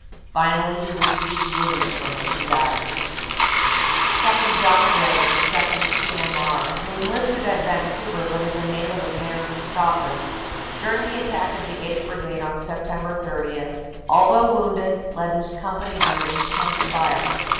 Finally he received w r ounds from which he died. Capt. John MacGregor, 2nd. C.M.R., who enlisted at Van couver but is a native of Nairn, Scotland, during the attack of the 8th. Brigade on Sept. 30, although wounded, led his com pany under intense fire.